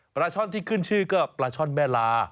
ช่อนที่ขึ้นชื่อก็ปลาช่อนแม่ลา